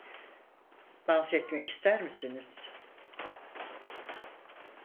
Dans etmek ister misiniz?